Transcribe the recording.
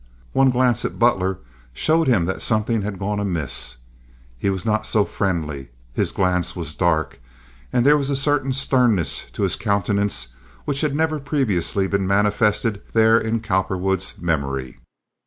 One glance at Butler showed him that something had gone amiss. He was not so friendly; his glance was dark, and there was a certain sternness to his countenance which had never previously been manifested there in Cowperwood's memory.